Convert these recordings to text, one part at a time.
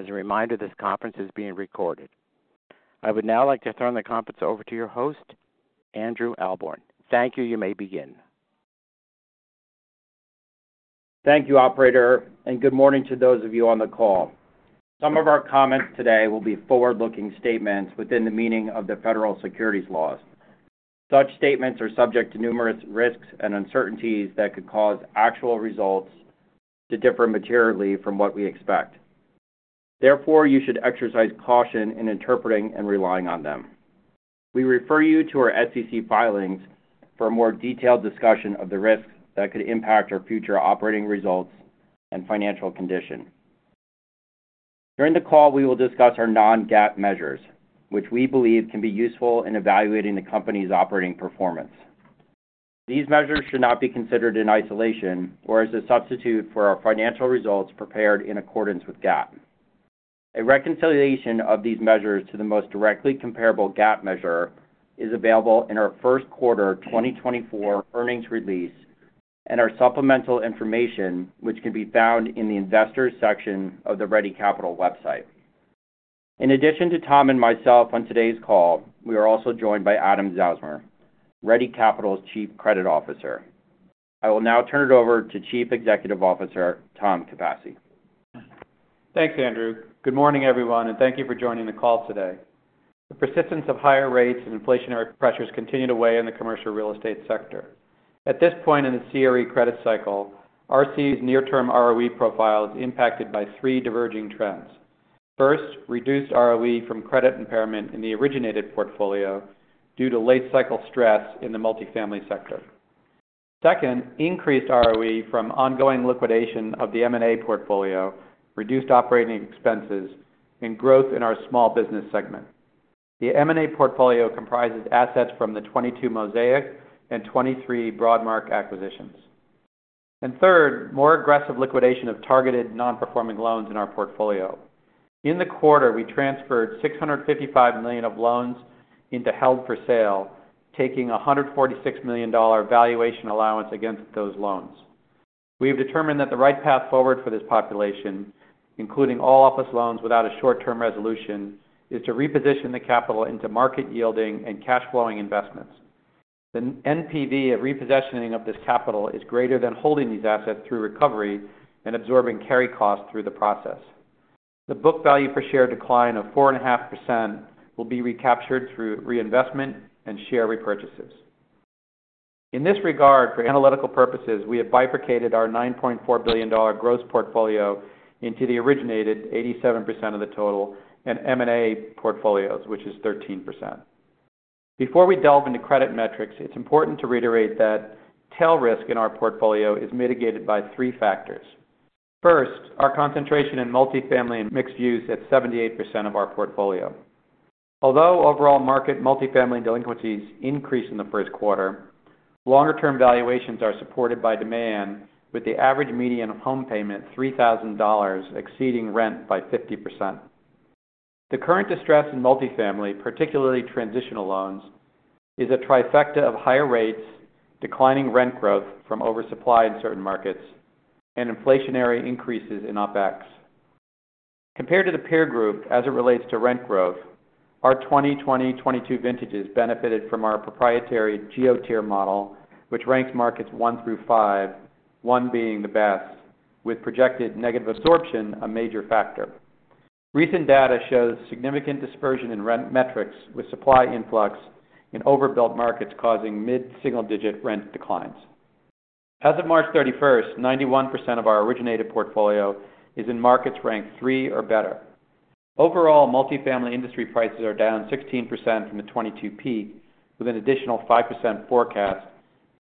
...As a reminder, this conference is being recorded. I would now like to turn the conference over to your host, Andrew Ahlborn. Thank you. You may begin. Thank you, operator, and good morning to those of you on the call. Some of our comments today will be forward-looking statements within the meaning of the federal securities laws. Such statements are subject to numerous risks and uncertainties that could cause actual results to differ materially from what we expect. Therefore, you should exercise caution in interpreting and relying on them. We refer you to our SEC filings for a more detailed discussion of the risks that could impact our future operating results and financial condition. During the call, we will discuss our non-GAAP measures, which we believe can be useful in evaluating the company's operating performance. These measures should not be considered in isolation or as a substitute for our financial results prepared in accordance with GAAP. A reconciliation of these measures to the most directly comparable GAAP measure is available in our first quarter 2024 earnings release and our supplemental information, which can be found in the Investors section of the Ready Capital website. In addition to Tom and myself on today's call, we are also joined by Adam Zausmer, Ready Capital's Chief Credit Officer. I will now turn it over to Chief Executive Officer, Tom Capasse. Thanks, Andrew. Good morning, everyone, and thank you for joining the call today. The persistence of higher rates and inflationary pressures continue to weigh in the Commercial Real Estate sector. At this point in the CRE credit cycle, RC's near-term ROE profile is impacted by three diverging trends. First, reduced ROE from credit impairment in the originated portfolio due to late cycle stress in the multifamily sector. Second, increased ROE from ongoing liquidation of the M&A portfolio, reduced operating expenses, and growth in our Small Business segment. The M&A portfolio comprises assets from the 2022 Mosaic and 2023 Broadmark acquisitions. Third, more aggressive liquidation of targeted non-performing loans in our portfolio. In the quarter, we transferred $655 million of loans into held for sale, taking a $146 million valuation allowance against those loans. We have determined that the right path forward for this population, including all office loans without a short-term resolution, is to reposition the capital into market-yielding and cash-flowing investments. The NPV of repositioning of this capital is greater than holding these assets through recovery and absorbing carry costs through the process. The book value per share decline of 4.5% will be recaptured through reinvestment and share repurchases. In this regard, for analytical purposes, we have bifurcated our $9.4 billion gross portfolio into the originated 87% of the total and M&A portfolios, which is 13%. Before we delve into credit metrics, it's important to reiterate that tail risk in our portfolio is mitigated by three factors. First, our concentration in multifamily and mixed use at 78% of our portfolio. Although overall market multifamily delinquencies increased in the first quarter, longer-term valuations are supported by demand, with the average median of home payment, $3,000, exceeding rent by 50%. The current distress in multifamily, particularly transitional loans, is a trifecta of higher rates, declining rent growth from oversupply in certain markets, and inflationary increases in OpEx. Compared to the peer group as it relates to rent growth, our 2020, 2022 vintages benefited from our proprietary GEOtier model, which ranks markets one through five, one being the best, with projected negative absorption a major factor. Recent data shows significant dispersion in rent metrics, with supply influx in overbuilt markets causing mid-single-digit rent declines. As of March 31st, 91% of our originated portfolio is in markets ranked three or better. Overall, multifamily industry prices are down 16% from the 2022 peak, with an additional 5% forecast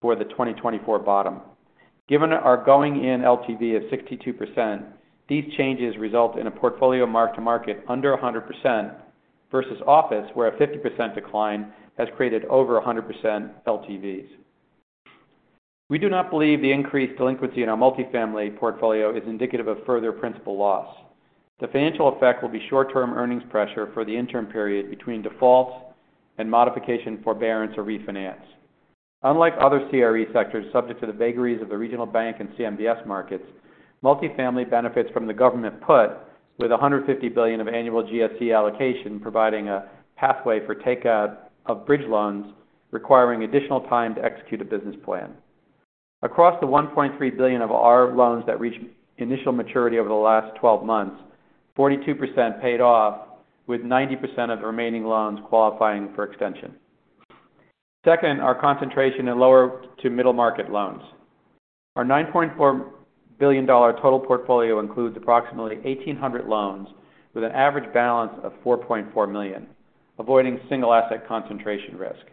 for the 2024 bottom. Given our going in LTV of 62%, these changes result in a portfolio mark to market under 100% versus office, where a 50% decline has created over 100% LTVs. We do not believe the increased delinquency in our multifamily portfolio is indicative of further principal loss. The financial effect will be short-term earnings pressure for the interim period between defaults and modification, forbearance, or refinance. Unlike other CRE sectors subject to the vagaries of the regional bank and CMBS markets, multifamily benefits from the government put, with $150 billion of annual GSE allocation, providing a pathway for take out of bridge loans, requiring additional time to execute a business plan. Across the $1.3 billion of our loans that reached initial maturity over the last 12 months, 42% paid off, with 90% of the remaining loans qualifying for extension. Second, our concentration in lower to middle market loans. Our $9.4 billion total portfolio includes approximately 1,800 loans with an average balance of $4.4 million, avoiding single asset concentration risk.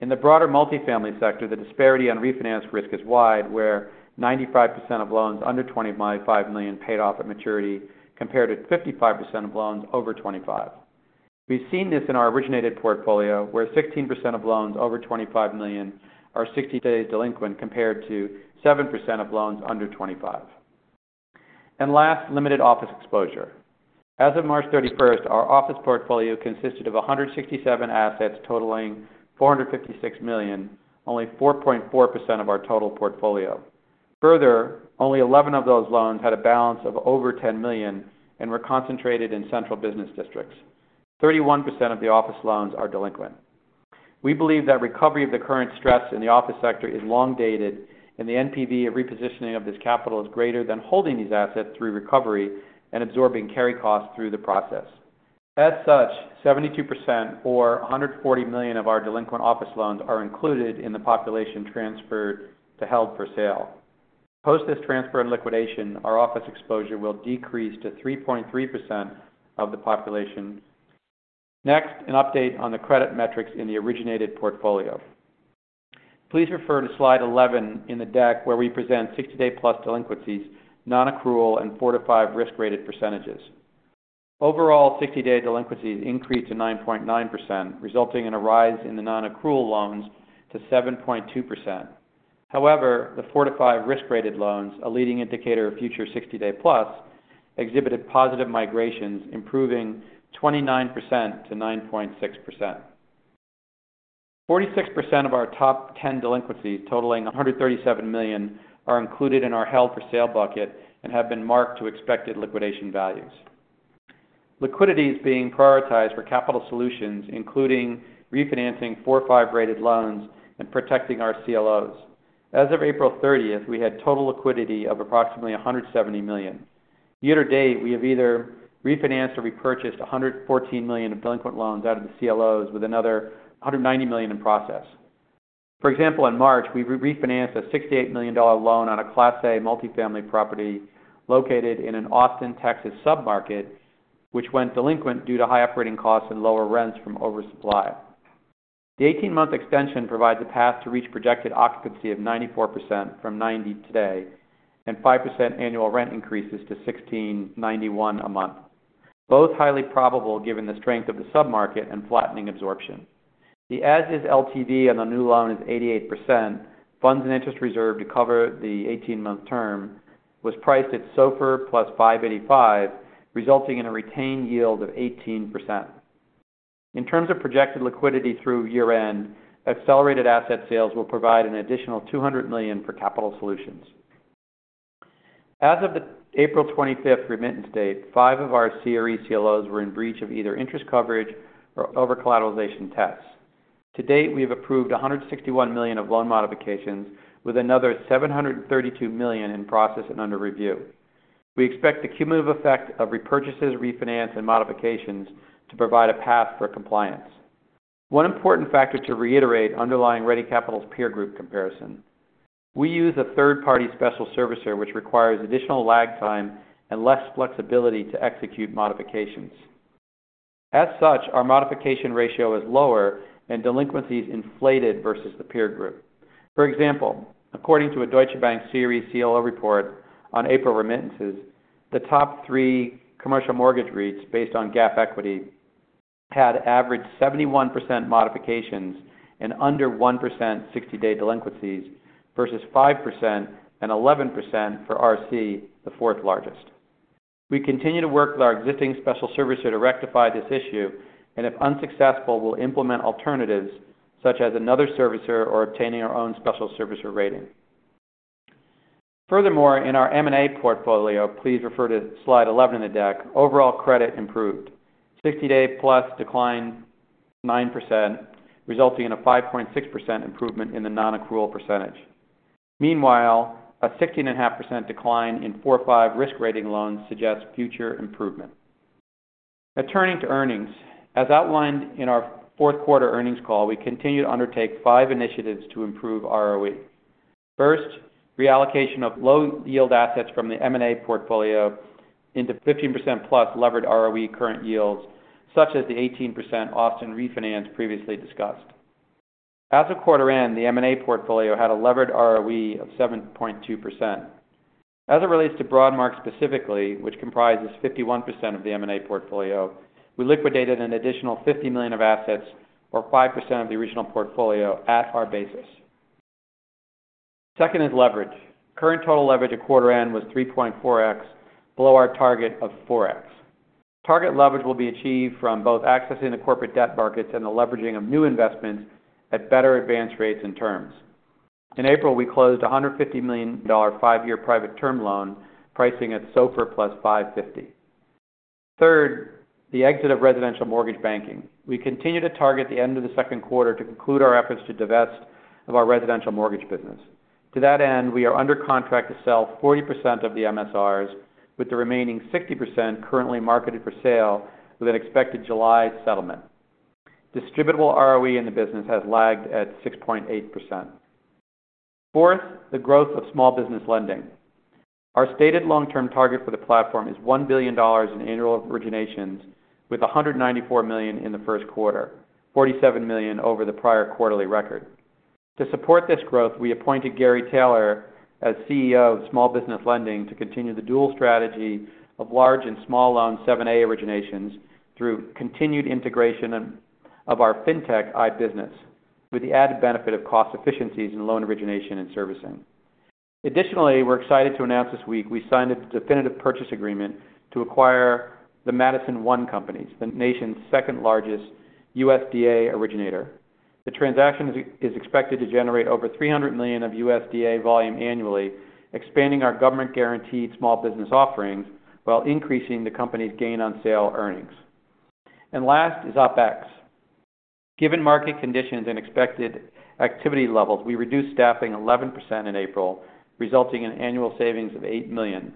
In the broader multifamily sector, the disparity on refinance risk is wide, where 95% of loans under $25 million paid off at maturity, compared to 55% of loans over 25. We've seen this in our originated portfolio, where 16% of loans over $25 million are 60 days delinquent, compared to 7% of loans under $25 million. And last, limited office exposure. As of March 31st, our office portfolio consisted of 167 assets totaling $456 million, only 4.4% of our total portfolio. Further, only 11 of those loans had a balance of over $10 million and were concentrated in central business districts. 31% of the office loans are delinquent. We believe that recovery of the current stress in the office sector is long-dated, and the NPV of repositioning of this capital is greater than holding these assets through recovery and absorbing carry costs through the process. As such, 72%, or $140 million of our delinquent office loans, are included in the population transferred to held for sale. Post this transfer and liquidation, our office exposure will decrease to 3.3% of the population. Next, an update on the credit metrics in the originated portfolio. Please refer to slide 11 in the deck, where we present 60-day+ delinquencies, nonaccrual, and four to five risk-rated percentages. Overall, 60-day delinquencies increased to 9.9%, resulting in a rise in the nonaccrual loans to 7.2%. However, the four to five risk-rated loans, a leading indicator of future 60-day+, exhibited positive migrations, improving 29% to 9.6%. 46% of our top 10 delinquencies, totaling $137 million, are included in our held-for-sale bucket and have been marked to expected liquidation values. Liquidity is being prioritized for capital solutions, including refinancing 4-5 rated loans and protecting our CLOs. As of April 30th, we had total liquidity of approximately $170 million. Year to date, we have either refinanced or repurchased $114 million of delinquent loans out of the CLOs, with another $190 million in process. For example, in March, we refinanced a $68 million loan on a Class A multifamily property located in an Austin, Texas, submarket, which went delinquent due to high operating costs and lower rents from oversupply. The 18-month extension provides a path to reach projected occupancy of 94% from 90% today, and 5% annual rent increases to $1,691 a month, both highly probable given the strength of the submarket and flattening absorption. The as-is LTV on the new loan is 88%. Funds in interest reserve to cover the 18-month term was priced at SOFR plus 5.85, resulting in a retained yield of 18%. In terms of projected liquidity through year-end, accelerated asset sales will provide an additional $200 million for capital solutions. As of the April 25th remittance date, 5 of our CRE CLOs were in breach of either interest coverage or over-collateralization tests. To date, we have approved $161 million of loan modifications, with another $732 million in process and under review. We expect the cumulative effect of repurchases, refinance, and modifications to provide a path for compliance. One important factor to reiterate underlying Ready Capital's peer group comparison: we use a third-party special servicer, which requires additional lag time and less flexibility to execute modifications. As such, our modification ratio is lower and delinquencies inflated versus the peer group. For example, according to a Deutsche Bank CRE CLO report on April remittances, the top three commercial mortgage REITs, based on GAAP equity, had average 71% modifications and under 1% sixty-day delinquencies versus 5% and 11% for RC, the fourth largest. We continue to work with our existing special servicer to rectify this issue, and if unsuccessful, we'll implement alternatives such as another servicer or obtaining our own special servicer rating. Furthermore, in our M&A portfolio, please refer to slide 11 in the deck, overall credit improved. Sixty-day-plus declined 9%, resulting in a 5.6% improvement in the nonaccrual percentage. Meanwhile, a 16.5% decline in four to five risk rating loans suggests future improvement. Now, turning to earnings. As outlined in our fourth quarter earnings call, we continue to undertake five initiatives to improve ROE. First, reallocation of low-yield assets from the M&A portfolio into 15%+ levered ROE current yields, such as the 18% Austin refinance previously discussed. As of quarter end, the M&A portfolio had a levered ROE of 7.2%. As it relates to Broadmark specifically, which comprises 51% of the M&A portfolio, we liquidated an additional $50 million of assets, or 5% of the original portfolio at par basis. Second is leverage. Current total leverage at quarter end was 3.4x, below our target of 4x. Target leverage will be achieved from both accessing the corporate debt markets and the leveraging of new investments at better advance rates and terms. In April, we closed a $150 million five-year private term loan, pricing at SOFR plus 550. Third, the exit of Residential Mortgage Banking. We continue to target the end of the second quarter to conclude our efforts to divest of our Residential Mortgage business. To that end, we are under contract to sell 40% of the MSRs, with the remaining 60% currently marketed for sale, with an expected July settlement. Distributable ROE in the business has lagged at 6.8%. Fourth, the growth of Small Business Lending. Our stated long-term target for the platform is $1 billion in annual originations, with $194 million in the first quarter, $47 million over the prior quarterly record. To support this growth, we appointed Gary Taylor as CEO of Small Business Lending to continue the dual strategy of large and small loan 7(a) originations through continued integration of our fintech iBusiness, with the added benefit of cost efficiencies in loan origination and servicing. Additionally, we're excited to announce this week we signed a definitive purchase agreement to acquire the Madison One companies, the nation's second-largest USDA originator. The transaction is expected to generate over $300 million of USDA volume annually, expanding our government-guaranteed small business offerings while increasing the company's gain on sale earnings. And last is OpEx. Given market conditions and expected activity levels, we reduced staffing 11% in April, resulting in annual savings of $8 million.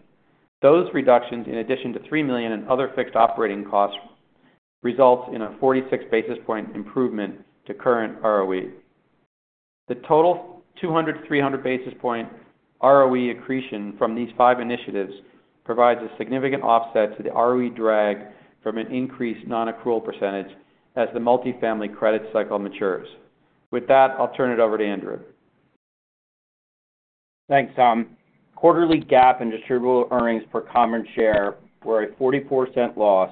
Those reductions, in addition to $3 million in other fixed operating costs, results in a 46 basis point improvement to current ROE. The total 200-300 basis point ROE accretion from these five initiatives provides a significant offset to the ROE drag from an increased nonaccrual percentage as the multifamily credit cycle matures. With that, I'll turn it over to Andrew. Thanks, Tom. Quarterly GAAP and distributable earnings per common share were a $0.44 loss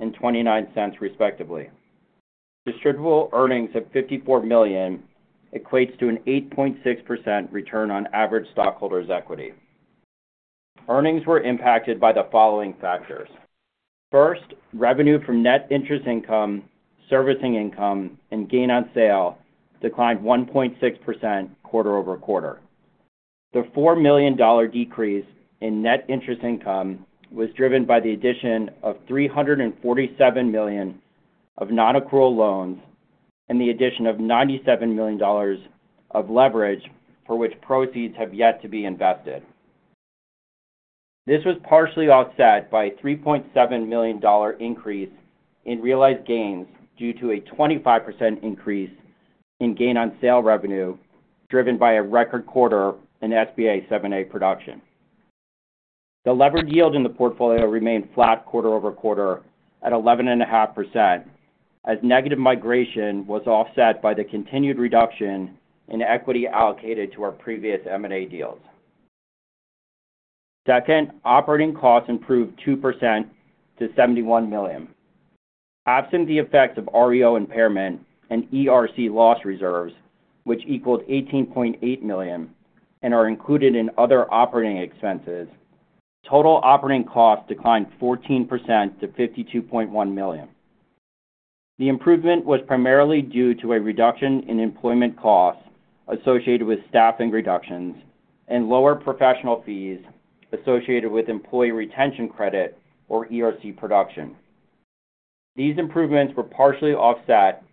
and $0.29, respectively. Distributable earnings of $54 million equates to an 8.6% return on average stockholders' equity. Earnings were impacted by the following factors: First, revenue from net interest income, servicing income, and gain on sale declined 1.6% quarter-over-quarter. The $4 million decrease in net interest income was driven by the addition of $347 million of nonaccrual loans and the addition of $97 million of leverage for which proceeds have yet to be invested. This was partially offset by a $3.7 million increase in realized gains, due to a 25% increase in gain on sale revenue, driven by a record quarter in SBA 7(a) production. The levered yield in the portfolio remained flat quarter-over-quarter at 11.5%, as negative migration was offset by the continued reduction in equity allocated to our previous M&A deals. Second, operating costs improved 2% to $71 million. Absent the effects of REO impairment and ERC loss reserves, which equaled $18.8 million and are included in other operating expenses, total operating costs declined 14% to $52.1 million. The improvement was primarily due to a reduction in employment costs associated with staffing reductions and lower professional fees associated with Employee Retention Credit, or ERC production. These improvements were partially offset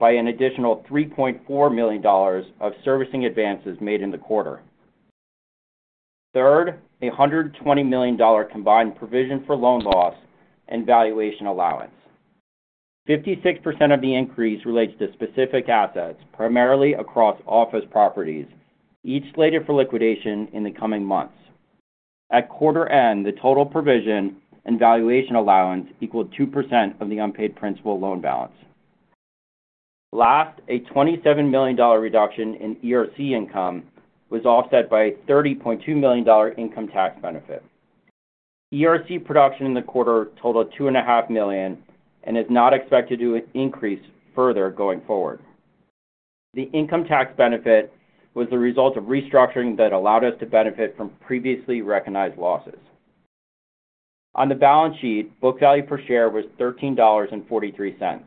by an additional $3.4 million of servicing advances made in the quarter. Third, $120 million combined provision for loan loss and valuation allowance. 56% of the increase relates to specific assets, primarily across office properties, each slated for liquidation in the coming months. At quarter end, the total provision and valuation allowance equaled 2% of the unpaid principal loan balance. Last, a $27 million reduction in ERC income was offset by a $30.2 million income tax benefit. ERC production in the quarter totaled $2.5 million and is not expected to increase further going forward. The income tax benefit was the result of restructuring that allowed us to benefit from previously recognized losses. On the balance sheet, book value per share was $13.43,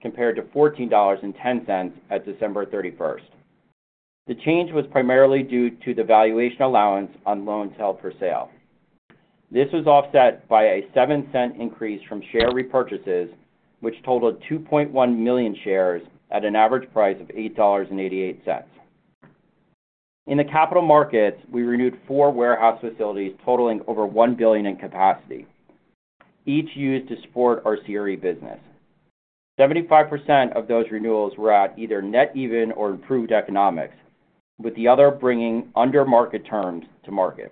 compared to $14.10 at December 31st. The change was primarily due to the valuation allowance on loans held for sale. This was offset by a $0.07 increase from share repurchases, which totaled 2.1 million shares at an average price of $8.88. In the capital markets, we renewed 4 warehouse facilities totaling over $1 billion in capacity, each used to support our CRE business. 75% of those renewals were at either net even or improved economics, with the other bringing under-market terms to market.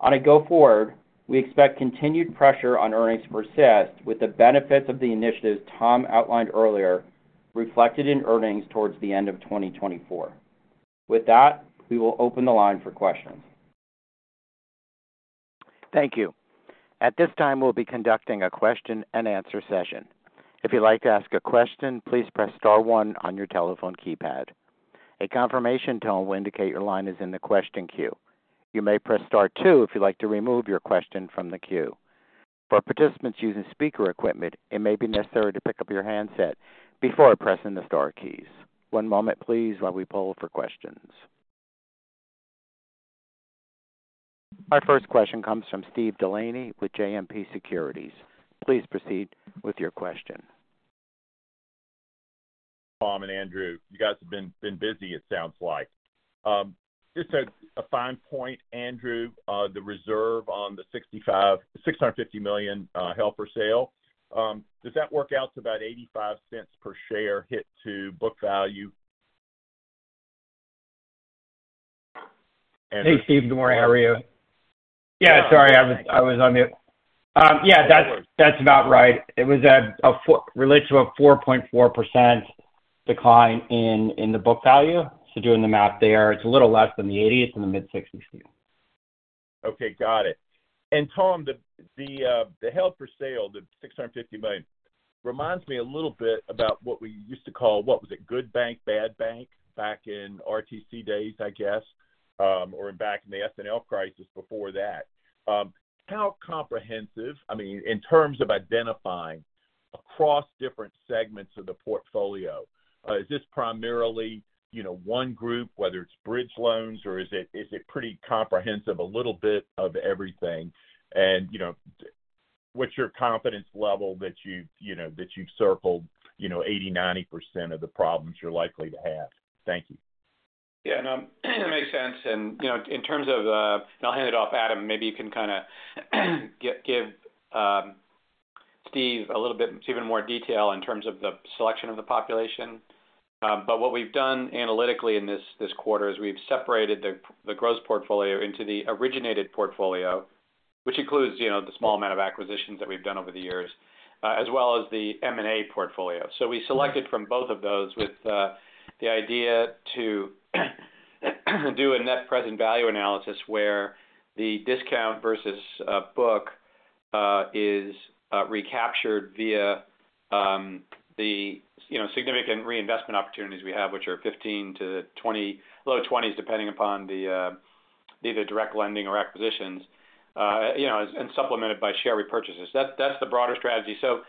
On a go forward, we expect continued pressure on earnings to persist, with the benefits of the initiatives Tom outlined earlier reflected in earnings towards the end of 2024. With that, we will open the line for questions. Thank you. At this time, we'll be conducting a question-and-answer session. If you'd like to ask a question, please press star one on your telephone keypad. A confirmation tone will indicate your line is in the question queue. You may press star two if you'd like to remove your question from the queue. For participants using speaker equipment, it may be necessary to pick up your handset before pressing the star keys. One moment, please, while we poll for questions. Our first question comes from Steve DeLaney with JMP Securities. Please proceed with your question. Tom and Andrew, you guys have been busy, it sounds like. Just a fine point, Andrew, the reserve on the $650 million held for sale, does that work out to about $0.85 per share hit to book value? Hey, Steve. Good morning, how are you? Yeah, sorry, I was on mute. Yeah, that's about right. It relates to a 4.4% decline in the book value. So doing the math there, it's a little less than the $80, it's in the mid-$60s. Okay, got it. And Tom, the held for sale, the $650 million, reminds me a little bit about what we used to call, what was it? Good bank, bad bank, back in RTC days, I guess, or back in the S&L crisis before that. How comprehensive, I mean, in terms of identifying across different segments of the portfolio, is this primarily, you know, one group, whether it's bridge loans, or is it, is it pretty comprehensive, a little bit of everything? And, you know, what's your confidence level that you've, you know, that you've circled, you know, 80%-90% of the problems you're likely to have? Thank you. Yeah, no, that makes sense. And, you know, in terms of, and I'll hand it off to Adam, maybe you can kind of give, Steve a little bit even more detail in terms of the selection of the population. But what we've done analytically in this, this quarter is we've separated the, the gross portfolio into the originated portfolio, which includes, you know, the small amount of acquisitions that we've done over the years, as well as the M&A portfolio. So we selected from both of those with, the idea to do a net present value analysis, where the discount versus, book, is, recaptured via, the, you know, significant reinvestment opportunities we have, which are 15-20-low 20s, depending upon the, either direct lending or acquisitions. You know, and supplemented by share repurchases. That's the broader strategy. So,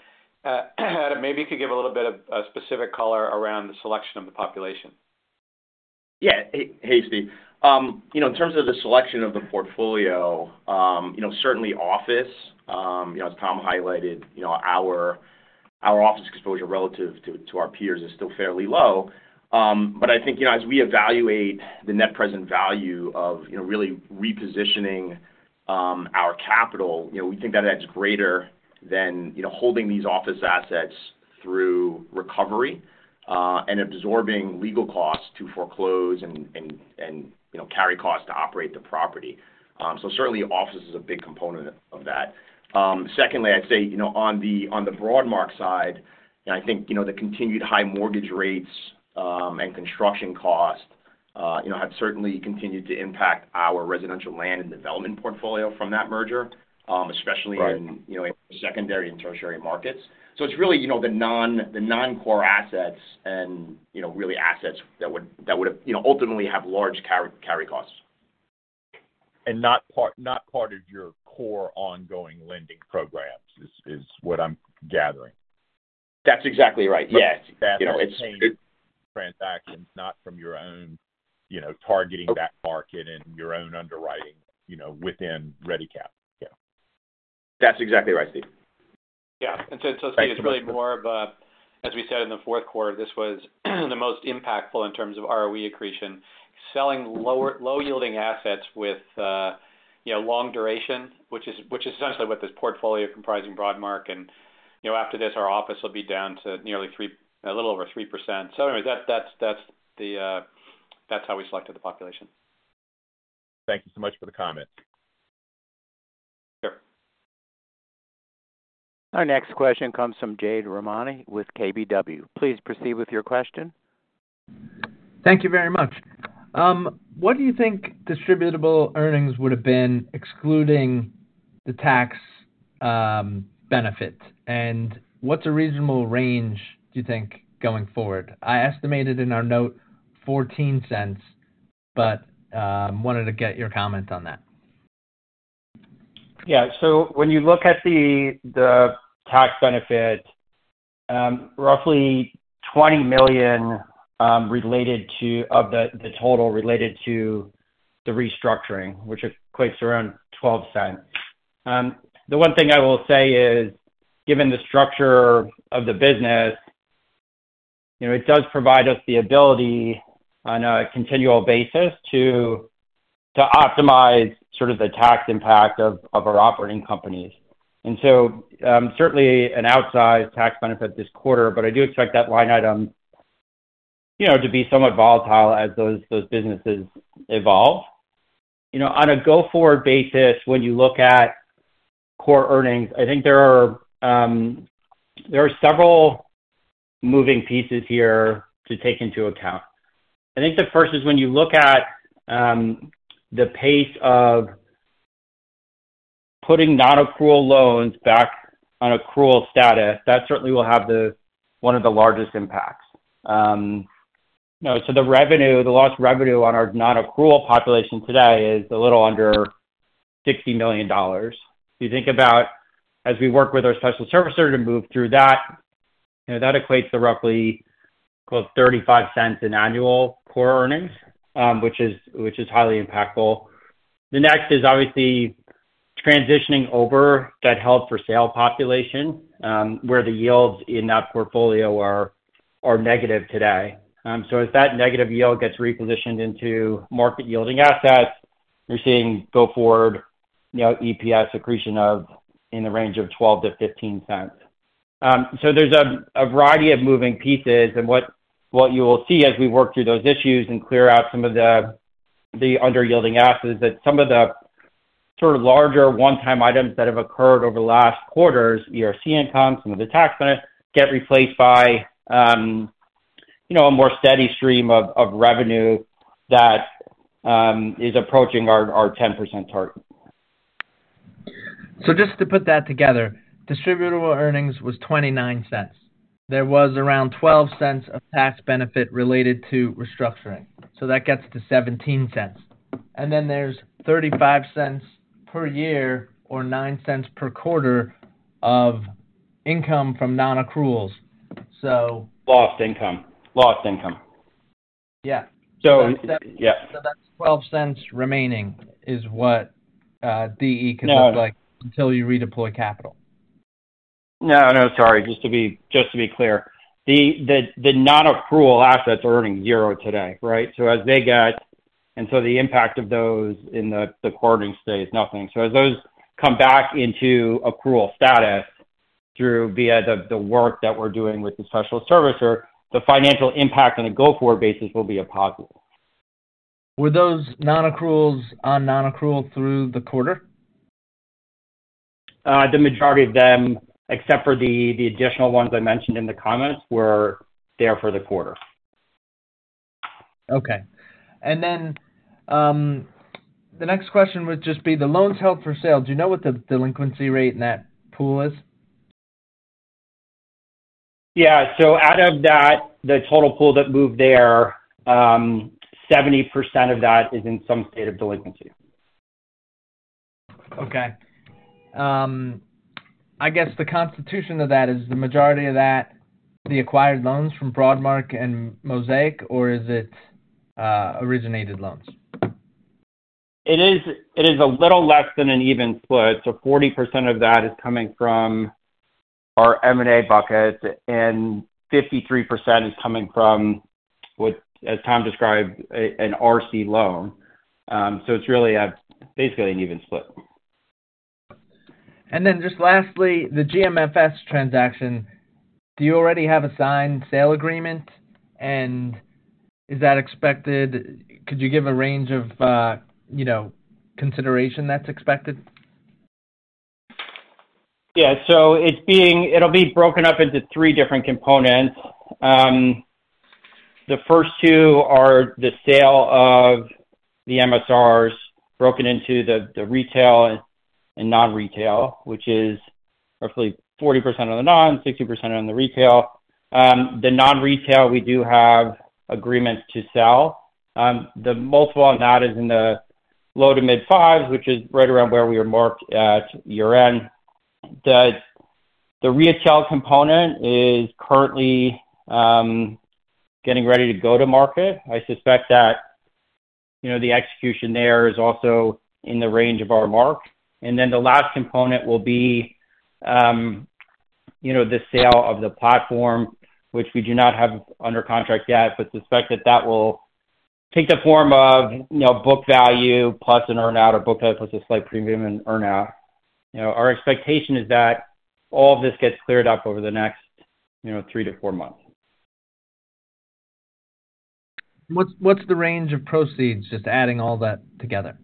Adam, maybe you could give a little bit of specific color around the selection of the population. Yeah. Hey, hey, Steve. You know, in terms of the selection of the portfolio, you know, certainly office, you know, as Tom highlighted, you know, our office exposure relative to our peers is still fairly low. But I think, you know, as we evaluate the net present value of, you know, really repositioning our capital, you know, we think that adds greater than, you know, holding these office assets through recovery, and absorbing legal costs to foreclose and, you know, carry costs to operate the property. So certainly, office is a big component of that. Secondly, I'd say, you know, on the Broadmark side, and I think, you know, the continued high mortgage rates and construction costs, you know, have certainly continued to impact our residential land and development portfolio from that merger, especially- Right... in, you know, secondary and tertiary markets. So it's really, you know, the non-core assets and, you know, really assets that would, you know, ultimately have large carry costs. And not part of your core ongoing lending programs, is what I'm gathering? That's exactly right. Yeah, you know, it's- Transactions, not from your own, you know, targeting that market and your own underwriting, you know, within Ready Capital. Yeah. That's exactly right, Steve. Yeah. So, Steve, it's really more of a, as we said in the fourth quarter, this was the most impactful in terms of ROE accretion. Selling lower-yielding assets with, you know, long duration, which is essentially what this portfolio comprising Broadmark. And, you know, after this, our office will be down to nearly 3%... a little over 3%. So anyway, that's how we selected the population. Thank you so much for the comment. Sure. Our next question comes from Jade Rahmani with KBW. Please proceed with your question. Thank you very much. What do you think distributable earnings would have been, excluding the tax benefit? What's a reasonable range do you think, going forward? I estimated in our note $0.14, but wanted to get your comment on that. Yeah. So when you look at the tax benefit, roughly $20 million related to the total related to the restructuring, which equates around $0.12. The one thing I will say is, given the structure of the business, you know, it does provide us the ability on a continual basis to optimize sort of the tax impact of our operating companies. And so, certainly an outsized tax benefit this quarter, but I do expect that line item, you know, to be somewhat volatile as those businesses evolve. You know, on a go-forward basis, when you look at core earnings, I think there are several moving pieces here to take into account. I think the first is when you look at the pace of putting nonaccrual loans back on accrual status, that certainly will have the one of the largest impacts. You know, so the revenue, the lost revenue on our nonaccrual population today is a little under $60 million. If you think about, as we work with our special servicer to move through that, you know, that equates to roughly, well, $0.35 in annual core earnings, which is, which is highly impactful. The next is obviously transitioning over that held for sale population, where the yields in that portfolio are, are negative today. So as that negative yield gets repositioned into market-yielding assets, we're seeing go forward, you know, EPS accretion of, in the range of $0.12-$0.15. So there's a variety of moving pieces. And what you will see as we work through those issues and clear out some of the underyielding assets, that some of the sort of larger one-time items that have occurred over the last quarters, ERC income, some of the tax benefits, get replaced by, you know, a more steady stream of revenue that is approaching our 10% target. So just to put that together: distributable earnings was $0.29. There was around $0.12 of tax benefit related to restructuring, so that gets to $0.17.... And then there's $0.35 per year or $0.09 per quarter of income from non-accruals. So- Lost income. Lost income. Yeah. So, yeah. So that's $0.12 remaining, is what, DE could look like- No. until you redeploy capital. No, no, sorry. Just to be clear, the non-accrual assets are earning zero today, right? So as they get and so the impact of those in the accruing state is nothing. So as those come back into accrual status through via the work that we're doing with the special servicer, the financial impact on a go-forward basis will be a positive. Were those non-accruals on non-accrual through the quarter? The majority of them, except for the additional ones I mentioned in the comments, were there for the quarter. Okay. And then, the next question would just be the loans held for sale. Do you know what the delinquency rate in that pool is? Yeah. So out of that, the total pool that moved there, 70% of that is in some state of delinquency. Okay. I guess the composition of that is the majority of that, the acquired loans from Broadmark and Mosaic, or is it originated loans? It is a little less than an even split, so 40% of that is coming from our M&A bucket, and 53% is coming from what, as Tom described, an RC loan. So it's really basically an even split. And then just lastly, the GMFS transaction, do you already have a signed sale agreement? And is that expected? Could you give a range of, you know, consideration that's expected? Yeah, so it's being... It'll be broken up into three different components. The first two are the sale of the MSRs, broken into the retail and non-retail, which is roughly 40% of the non-retail, 60% on the retail. The non-retail, we do have agreements to sell. The multiple on that is in the low- to mid-fives, which is right around where we were marked at year-end. The retail component is currently getting ready to go to market. I suspect that, you know, the execution there is also in the range of our mark. Then the last component will be, you know, the sale of the platform, which we do not have under contract yet, but suspect that that will take the form of, you know, book value plus an earn-out or book value plus a slight premium and earn-out. You know, our expectation is that all of this gets cleared up over the next, you know, three to four months. What's the range of proceeds, just adding all that together?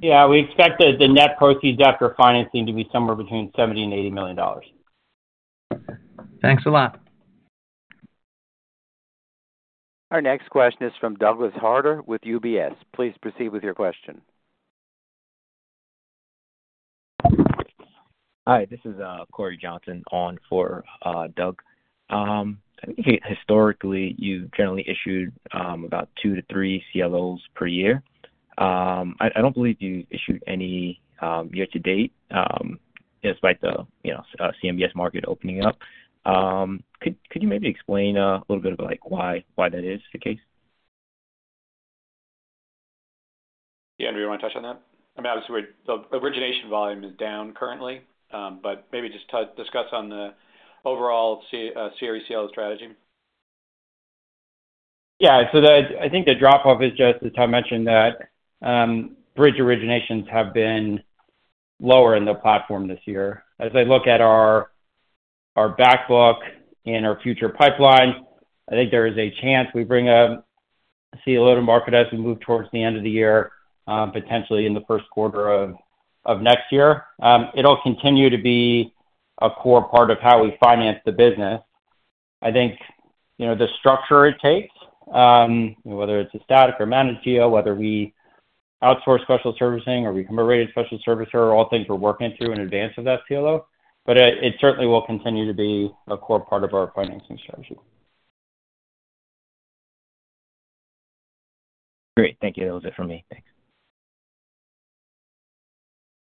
Yeah. We expect that the net proceeds after financing to be somewhere between $70 million and $80 million. Thanks a lot. Our next question is from Douglas Harter with UBS. Please proceed with your question. Hi, this is Cory Johnson, on for Doug. I think historically, you've generally issued about two to three CLOs per year. I don't believe you issued any year-to-date, despite the you know CMBS market opening up. Could you maybe explain a little bit about, like, why that is the case? Yeah, Andrew, you want to touch on that? I mean, obviously, the origination volume is down currently, but maybe just discuss on the overall CRE CLO strategy. Yeah. So the, I think the drop-off is just, as Tom mentioned, that, bridge originations have been lower in the platform this year. As I look at our, our backbook and our future pipeline, I think there is a chance we bring a CLO to market as we move towards the end of the year, potentially in the first quarter of, of next year. It'll continue to be a core part of how we finance the business. I think, you know, the structure it takes, whether it's a static or managed deal, whether we outsource special servicing or become a rated special servicer, are all things we're working through in advance of that CLO, but, it certainly will continue to be a core part of our financing strategy. Great. Thank you. That was it for me. Thanks.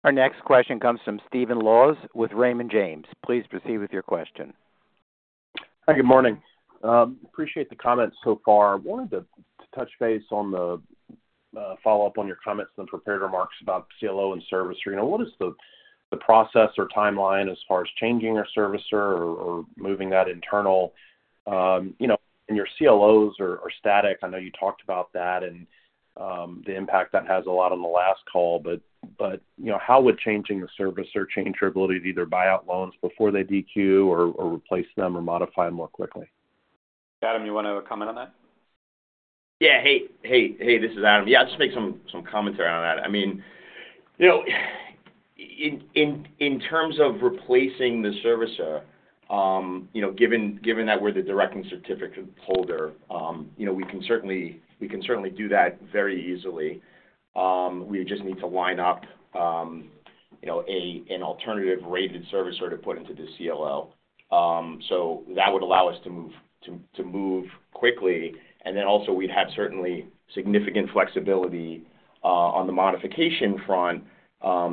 Our next question comes from Stephen Laws with Raymond James. Please proceed with your question. Hi, good morning. Appreciate the comments so far. Wanted to touch base on the follow-up on your comments and prepared remarks about CLO and servicer. You know, what is the process or timeline as far as changing your servicer or moving that internal? You know, and your CLOs are static. I know you talked about that and the impact that has a lot on the last call, but you know, how would changing the servicer change your ability to either buy out loans before they DQ or replace them or modify them more quickly? Adam, you want to comment on that? Yeah, hey, hey, hey, this is Adam. Yeah, I'll just make some commentary on that. I mean, you know, in terms of replacing the servicer, you know, given that we're the directing certificate holder, you know, we can certainly do that very easily. We just need to line up you know, an alternative rated servicer to put into the CLO. So that would allow us to move to move quickly, and then also we'd have certainly significant flexibility on the modification front,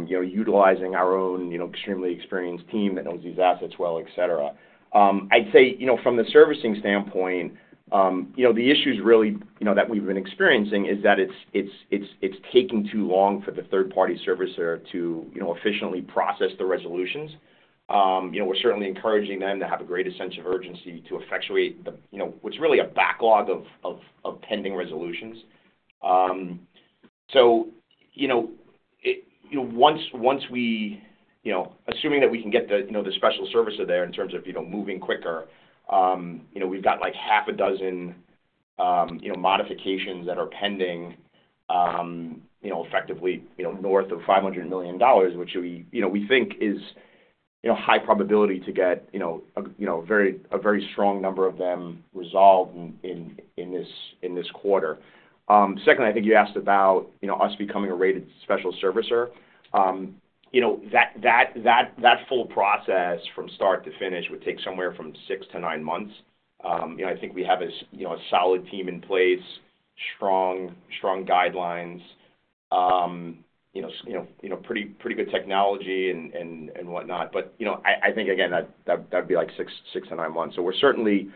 you know, utilizing our own, you know, extremely experienced team that knows these assets well, et cetera. I'd say, you know, from the servicing standpoint, you know, the issues really, you know, that we've been experiencing is that it's taking too long for the third-party servicer to, you know, efficiently process the resolutions. You know, we're certainly encouraging them to have a greater sense of urgency to effectuate the, you know, what's really a backlog of pending resolutions. So, you know, once we, you know, assuming that we can get the, you know, the special servicer there in terms of, you know, moving quicker, you know, we've got, like, half a dozen, you know, modifications that are pending, you know, effectively, you know, north of $500 million, which we, you know, we think is, you know, high probability to get, you know, a very strong number of them resolved in this quarter. Secondly, I think you asked about, you know, us becoming a rated special servicer. You know, that full process from start to finish would take somewhere from six to nine months. You know, I think we have a solid team in place, strong, strong guidelines, you know, pretty, pretty good technology and, and, and whatnot. But, you know, I, I think, again, that, that would be like six to nine months. So we're certainly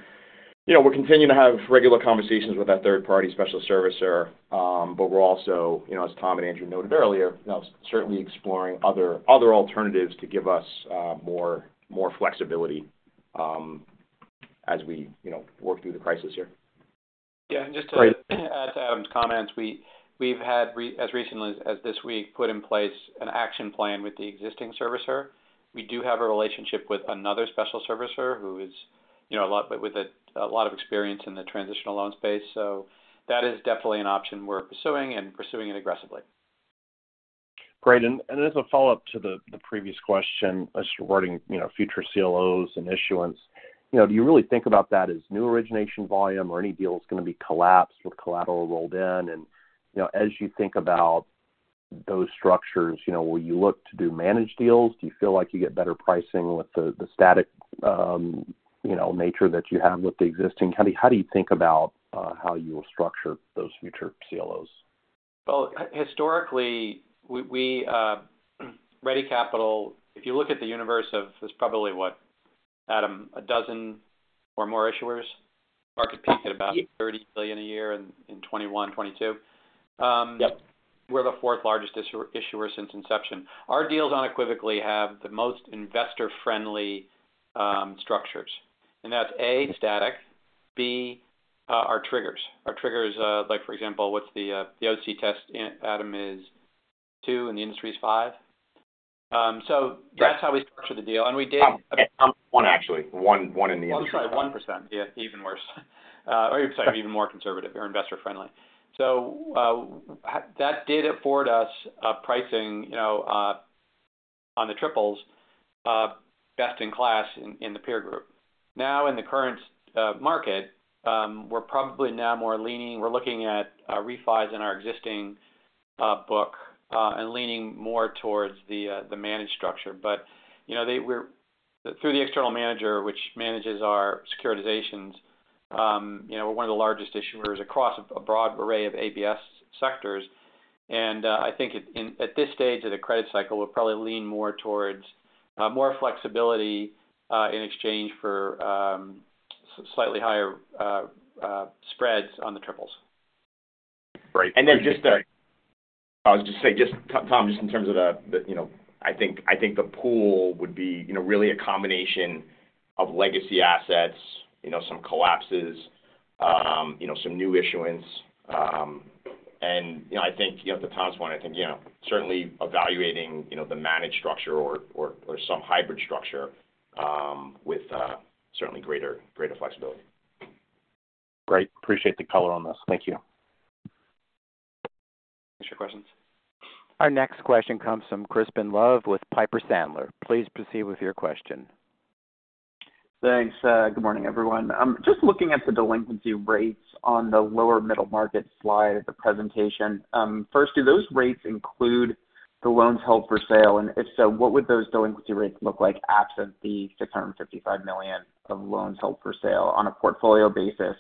you know, we're continuing to have regular conversations with that third-party special servicer, but we're also, you know, as Tom and Andrew noted earlier, you know, certainly exploring other, other alternatives to give us more, more flexibility, as we, you know, work through the crisis here. Yeah, and just to- Great. Add to Adam's comments, we've had, as recently as this week, put in place an action plan with the existing servicer. We do have a relationship with another special servicer who is, you know, a lot—with a lot of experience in the transitional loan space. So that is definitely an option we're pursuing and pursuing it aggressively. Great. And as a follow-up to the previous question as regarding, you know, future CLOs and issuance, you know, do you really think about that as new origination volume or any deals going to be collapsed with collateral rolled in? And, you know, as you think about those structures, you know, will you look to do managed deals? Do you feel like you get better pricing with the static, you know, nature that you have with the existing? How do you think about how you will structure those future CLOs? Well, historically, we, Ready Capital, if you look at the universe, there's probably, what, Adam, a dozen or more issuers? Mm-hmm. Market peak at about $30 billion a year in 2021, 2022. Yep. We're the fourth largest issuer since inception. Our deals unequivocally have the most investor-friendly structures, and that's, A, static, B, our triggers. Our triggers, like, for example, what's the OC test, Adam, is two, and the industry is five. So- Yeah... that's how we structure the deal. And we did- One, actually. One, one in the industry. I'm sorry, 1%. Yeah, even worse, or sorry, even more conservative or investor friendly. So, that did afford us a pricing, you know, on the triples, best in class in the peer group. Now, in the current market, we're probably now more leaning. We're looking at refis in our existing book and leaning more towards the managed structure. But, you know, through the external manager, which manages our securitizations, you know, we're one of the largest issuers across a broad array of ABS sectors. And, I think at this stage of the credit cycle, we'll probably lean more towards more flexibility in exchange for slightly higher spreads on the triples. Great. And then just I'll just say, just, Tom, just in terms of the, you know, I think the pool would be, you know, really a combination of legacy assets, you know, some CLOs, you know, some new issuance. And, you know, I think, you know, to Tom's point, I think, you know, certainly evaluating, you know, the managed structure or some hybrid structure, with certainly greater flexibility. Great. Appreciate the color on this. Thank you. Next questions. Our next question comes from Crispin Love with Piper Sandler. Please proceed with your question. Thanks. Good morning, everyone. Just looking at the delinquency rates on the lower middle market slide of the presentation. First, do those rates include the loans held for sale? And if so, what would those delinquency rates look like absent the $655 million of loans held for sale on a portfolio basis,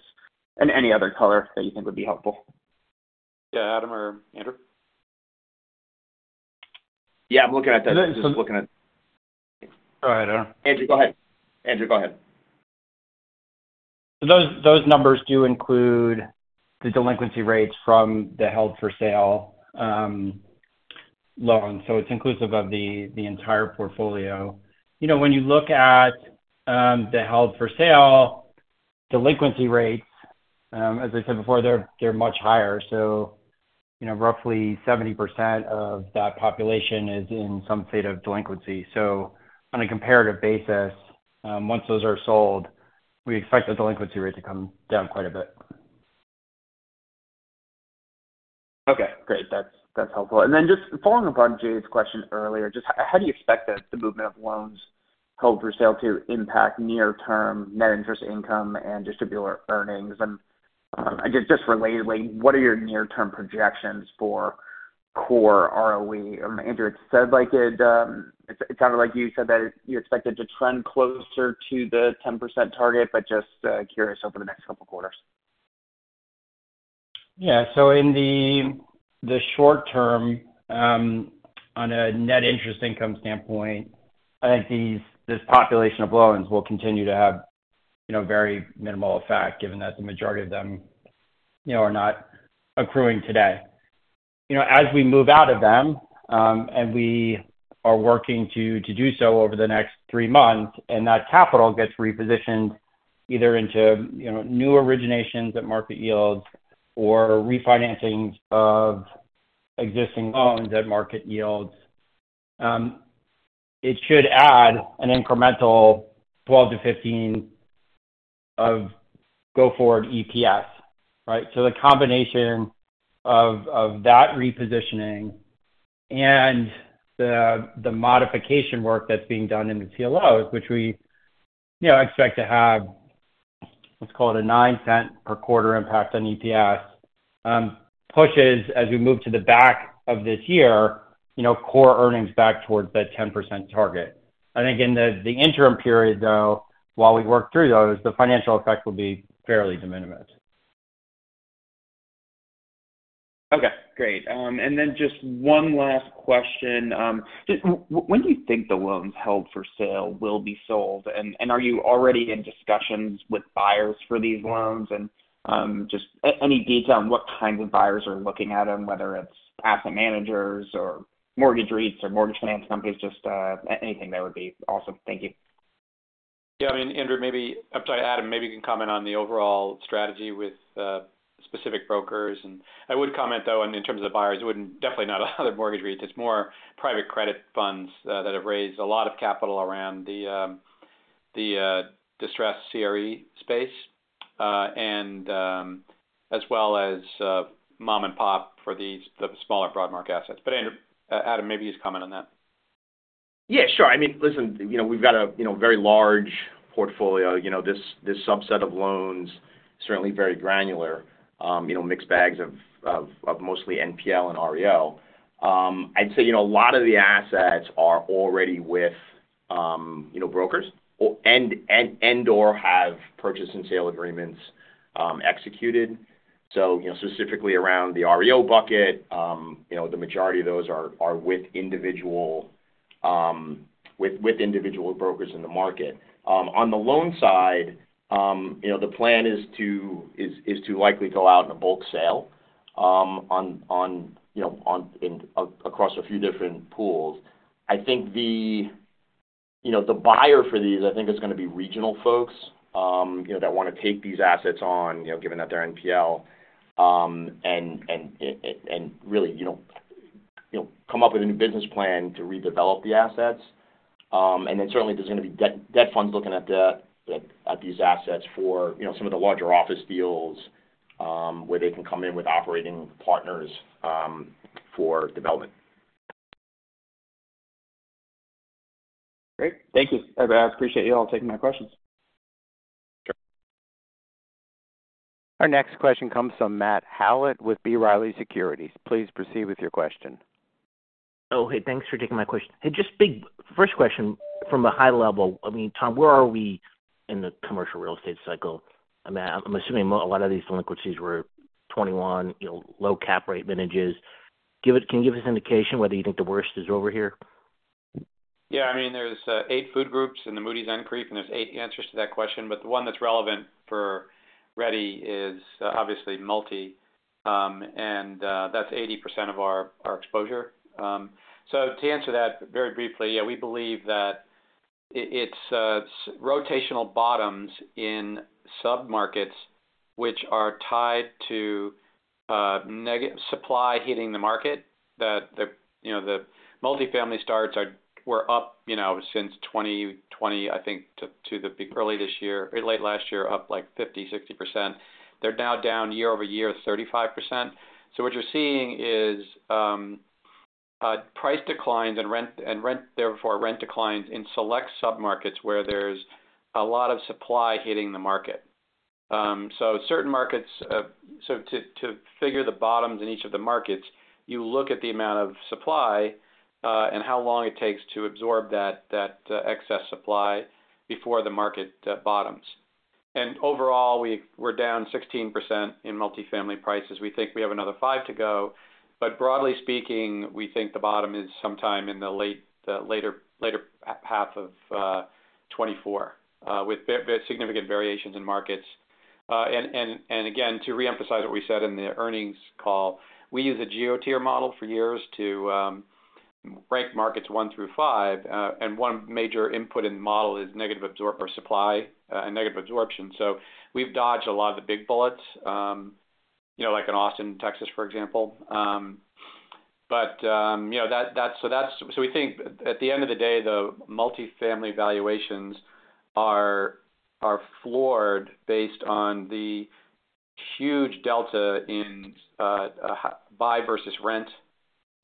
and any other color that you think would be helpful? Yeah, Adam or Andrew? Yeah, I'm looking at that. Just looking at... Go ahead, Andrew. Andrew, go ahead. Andrew, go ahead. Those numbers do include the delinquency rates from the held-for-sale loans, so it's inclusive of the entire portfolio. You know, when you look at the held for sale delinquency rates, as I said before, they're much higher. So, you know, roughly 70% of that population is in some state of delinquency. So on a comparative basis, once those are sold, we expect the delinquency rate to come down quite a bit. Okay, great. That's, that's helpful. And then just following up on Jay's question earlier, just how do you expect the movement of loans held for sale to impact near-term net interest income and distributable earnings? And, I guess just relatedly, what are your near-term projections for core ROE? I mean, Andrew, it said like it, it sounded like you said that you expected to trend closer to the 10% target, but just curious over the next couple quarters. Yeah. So in the short term, on a net interest income standpoint, I think this population of loans will continue to have, you know, very minimal effect, given that the majority of them, you know, are not accruing today. You know, as we move out of them, and we are working to do so over the next three months, and that capital gets repositioned either into, you know, new originations at market yields or refinancing of existing loans at market yields, it should add an incremental 12-15 of go-forward EPS, right? So the combination of that repositioning and the modification work that's being done in the CLOs, which we, you know, expect to have, let's call it a $0.09 per quarter impact on EPS, pushes as we move to the back of this year, you know, core earnings back towards that 10% target. I think in the interim period, though, while we work through those, the financial effect will be fairly de minimis. Okay, great. And then just one last question. Just when do you think the loans held for sale will be sold? And are you already in discussions with buyers for these loans? And just any detail on what kinds of buyers are looking at them, whether it's asset managers or mortgage REITs or mortgage finance companies, just anything there would be awesome. Thank you. Yeah, I mean, Andrew, maybe I'm sorry, Adam, maybe you can comment on the overall strategy with specific brokers. And I would comment, though, and in terms of the buyers, it wouldn't definitely not other mortgage REITs. It's more private credit funds that have raised a lot of capital around the distressed CRE space, and as well as mom and pop for these, the smaller Broadmark assets. But Andrew, Adam, maybe you just comment on that. Yeah, sure. I mean, listen, you know, we've got a, you know, very large portfolio. You know, this, this subset of loans, certainly very granular, you know, mixed bags of mostly NPL and REO. I'd say, you know, a lot of the assets are already with, you know, brokers or and/or have purchase and sale agreements executed. So, you know, specifically around the REO bucket, you know, the majority of those are with individual brokers in the market. On the loan side, you know, the plan is to likely go out in a bulk sale on in across a few different pools. I think, you know, the buyer for these, I think it's gonna be regional folks, you know, that wanna take these assets on, you know, given that they're NPL. And really, you know, come up with a new business plan to redevelop the assets. And then certainly there's gonna be debt funds looking at these assets for, you know, some of the larger office deals, where they can come in with operating partners, for development. Great. Thank you. I appreciate you all taking my questions. Sure. Our next question comes from Matt Howlett with B. Riley Securities. Please proceed with your question. Oh, hey, thanks for taking my question. Hey, just big first question from a high level. I mean, Tom, where are we in the Commercial Real Estate cycle? I mean, I'm assuming a lot of these delinquencies were 2021, you know, low cap rate vintages. Can you give us an indication whether you think the worst is over here? Yeah, I mean, there's eight food groups in the Moody's increase, and there's eight answers to that question. But the one that's relevant for Ready is obviously multifamily, and that's 80% of our exposure. So to answer that very briefly, yeah, we believe that it's rotational bottoms in submarkets, which are tied to negative supply hitting the market, that the, you know, the multifamily starts were up, you know, since 2020, I think, to early this year, or late last year, up like 50-60%. They're now down year-over-year 35%. So what you're seeing is price declines and rent, and rent, therefore, rent declines in select submarkets where there's a lot of supply hitting the market. So certain markets... So to figure the bottoms in each of the markets, you look at the amount of supply and how long it takes to absorb that excess supply before the market bottoms. And overall, we're down 16% in multifamily prices. We think we have another 5% to go. But broadly speaking, we think the bottom is sometime in the later half of 2024 with significant variations in markets. And again, to reemphasize what we said in the earnings call, we use a GEOtier model for years to rank markets one through five. And one major input in the model is negative absorption or supply and negative absorption. So we've dodged a lot of the big bullets, you know, like in Austin, Texas, for example. But, you know, that's, so we think at the end of the day, the multifamily valuations are floored based on the huge delta in a buy versus rent.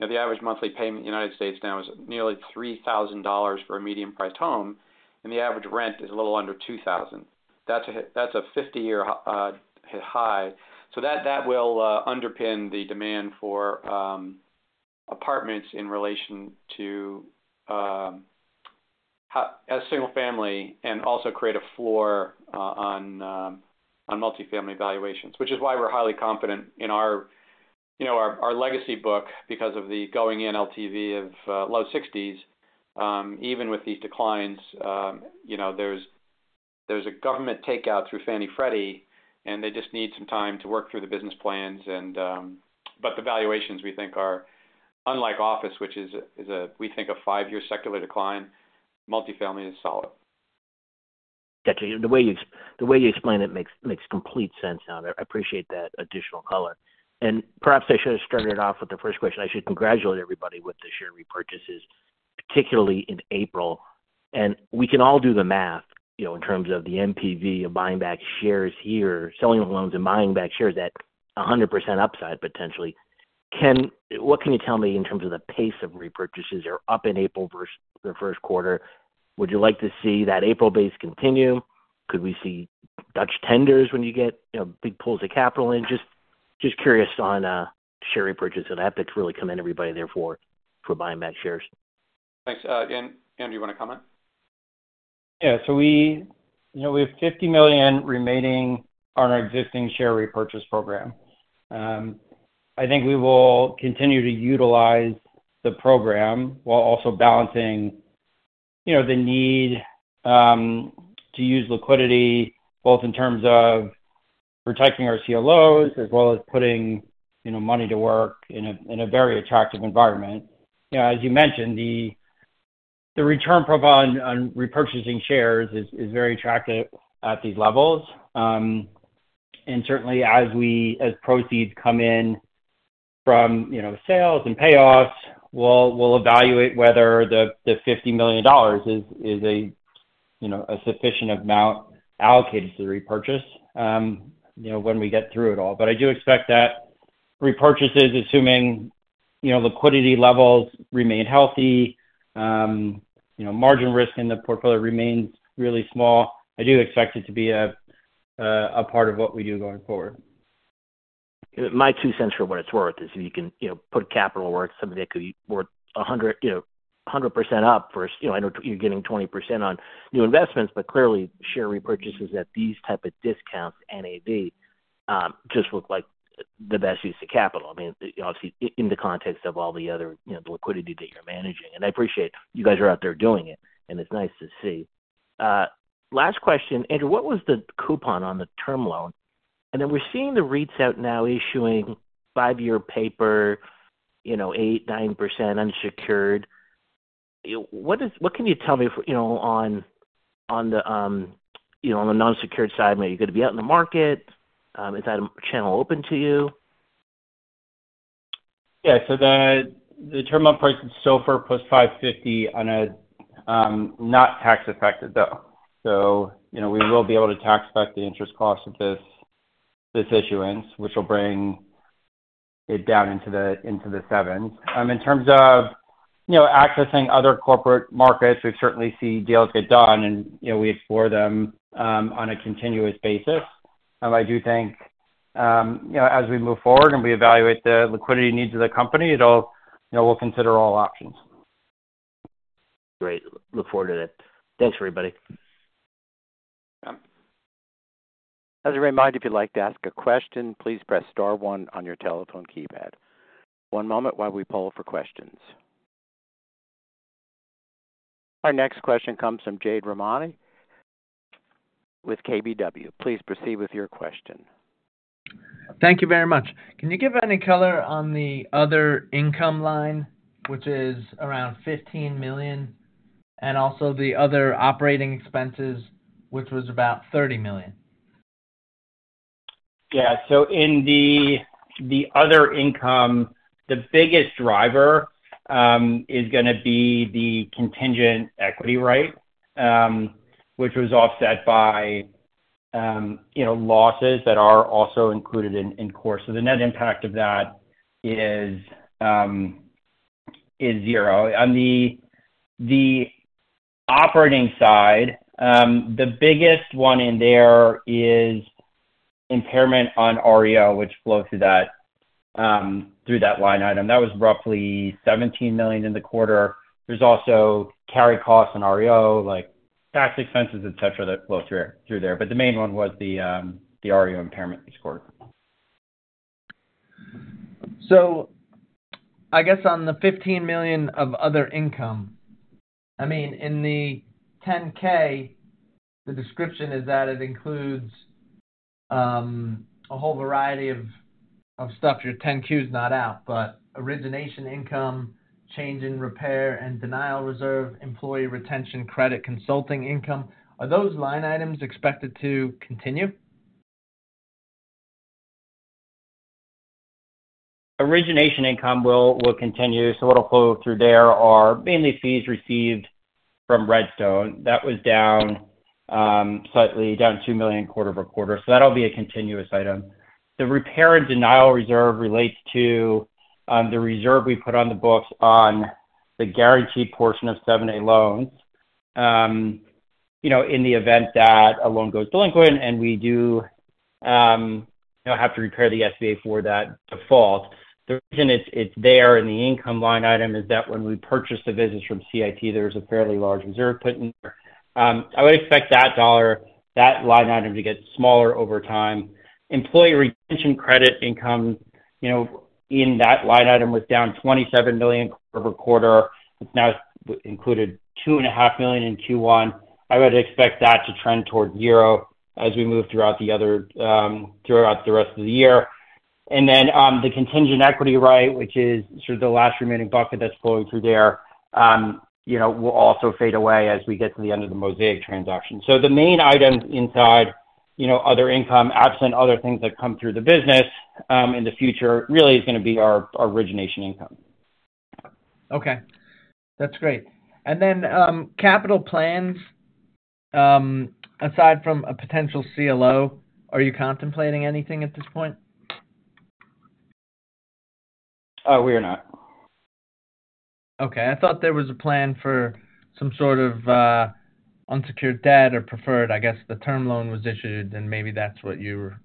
Now, the average monthly payment in the United States now is nearly $3,000 for a medium-priced home, and the average rent is a little under $2,000. That's a 50-year high. So that will underpin the demand for apartments in relation to single family, and also create a floor on multifamily valuations. Which is why we're highly confident in our, you know, our legacy book because of the going in LTV of low sixties. Even with these declines, you know, there's a government takeout through Fannie Freddie, and they just need some time to work through the business plans, and... But the valuations, we think are unlike office, which is a, we think, a five-year secular decline, multifamily is solid. Got you. The way you explain it makes complete sense now. I appreciate that additional color. Perhaps I should have started off with the first question. I should congratulate everybody with the share repurchases, particularly in April. We can all do the math, you know, in terms of the NPV of buying back shares here, selling the loans and buying back shares, that 100% upside, potentially. What can you tell me in terms of the pace of repurchases are up in April versus the first quarter? Would you like to see that April base continue? Could we see Dutch tenders when you get, you know, big pools of capital in? Just curious on share repurchases, and I really commend everybody therefore for buying back shares. Thanks. And Andrew, you want to comment? Yeah, so we, you know, we have $50 million remaining on our existing share repurchase program. I think we will continue to utilize the program while also balancing, you know, the need to use liquidity, both in terms of protecting our CLOs as well as putting, you know, money to work in a very attractive environment. You know, as you mentioned, the return profile on repurchasing shares is very attractive at these levels. And certainly as proceeds come in from, you know, sales and payoffs, we'll evaluate whether the $50 million is a sufficient amount allocated to the repurchase, you know, when we get through it all. But I do expect that repurchases, assuming, you know, liquidity levels remain healthy, you know, margin risk in the portfolio remains really small. I do expect it to be a part of what we do going forward. My two cents for what it's worth is if you can, you know, put capital where it's something that could be worth 100, you know, 100% up versus, you know, I know you're getting 20% on new investments, but clearly share repurchases at these type of discounts, NAV just look like the best use of capital. I mean, obviously, in the context of all the other, you know, the liquidity that you're managing, and I appreciate you guys are out there doing it, and it's nice to see. Last question. Andrew, what was the coupon on the term loan? And then we're seeing the REITs out now issuing five-year paper, you know, 8%-9% unsecured. What can you tell me, you know, on the non-secured side? Are you going to be out in the market? Is that channel open to you? Yeah. So the term loan price is SOFR plus 5.50 on a not tax affected, though. So, you know, we will be able to tax affect the interest cost of this issuance, which will bring it down into the sevens. In terms of, you know, accessing other corporate markets, we certainly see deals get done and, you know, we explore them on a continuous basis. And I do think, you know, as we move forward and we evaluate the liquidity needs of the company, it'll, you know, we'll consider all options. Great. Look forward to that. Thanks, everybody. Yeah. As a reminder, if you'd like to ask a question, please press star one on your telephone keypad. One moment while we poll for questions. Our next question comes from Jade Rahmani with KBW. Please proceed with your question. Thank you very much. Can you give any color on the other income line, which is around $15 million, and also the other operating expenses, which was about $30 million? Yeah. So in the other income, the biggest driver is gonna be the contingent equity right, which was offset by, you know, losses that are also included in course. So the net impact of that is zero. On the operating side, the biggest one in there is impairment on REO, which flows through that line item. That was roughly $17 million in the quarter. There's also carry costs on REO, like tax expenses, et cetera, that flow through there, but the main one was the REO impairment this quarter. So I guess on the $15 million of other income, I mean, in the 10-K, the description is that it includes a whole variety of stuff. Your 10-Q is not out, but origination income, change in repair and denial reserve, Employee Retention Credit, consulting income. Are those line items expected to continue?... origination income will continue. So what'll flow through there are mainly fees received from Red Stone. That was down slightly, down $2 million quarter-over-quarter, so that'll be a continuous item. The repair and denial reserve relates to the reserve we put on the books on the guaranteed portion of 7(a) loans. You know, in the event that a loan goes delinquent, and we do, you know, have to repay the SBA for that default. The reason it's there in the income line item is that when we purchased the business from CIT, there was a fairly large reserve put in there. I would expect that dollar, that line item to get smaller over time. Employee Retention Credit income, you know, in that line item was down $27 million quarter-over-quarter. It's now included $2.5 million in Q1. I would expect that to trend toward zero as we move throughout the rest of the year. And then, the contingent equity right, which is sort of the last remaining bucket that's flowing through there, you know, will also fade away as we get to the end of the Mosaic transaction. So the main items inside, you know, other income, absent other things that come through the business, in the future, really is gonna be our, our origination income. Okay, that's great. And then, capital plans, aside from a potential CLO, are you contemplating anything at this point? We are not. Okay. I thought there was a plan for some sort of unsecured debt or preferred. I guess the term loan was issued, and maybe that's what you were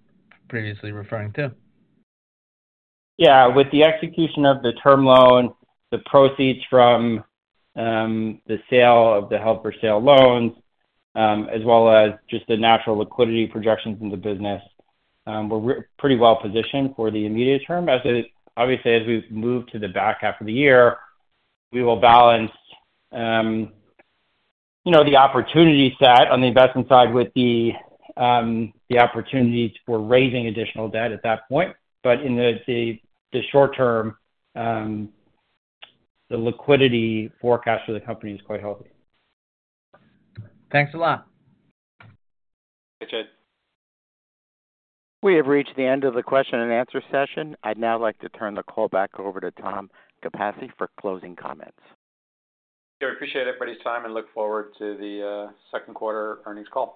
previously referring to. Yeah. With the execution of the term loan, the proceeds from the sale of the held-for-sale loans, as well as just the natural liquidity projections in the business, we're pretty well positioned for the immediate term. As it obviously, as we've moved to the back half of the year, we will balance, you know, the opportunity set on the investment side with the opportunities for raising additional debt at that point. But in the short term, the liquidity forecast for the company is quite healthy. Thanks a lot. Thanks, Jade. We have reached the end of the question and answer session. I'd now like to turn the call back over to Tom Capasse for closing comments. Sure. I appreciate everybody's time and look forward to the second quarter earnings call.